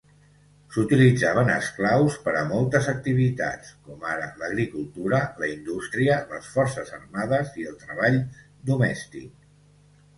S'utilitzaves esclaus per a moltes activitats, com ara l'agricultura, la indústria, les forces armades i el treball domèstic.